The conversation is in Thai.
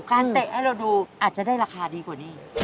เตะให้เราดูอาจจะได้ราคาดีกว่านี้